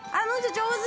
上手！